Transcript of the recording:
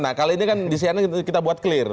nah kali ini kan di cnn kita buat clear